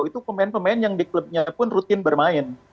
itu pemain pemain yang di klubnya pun rutin bermain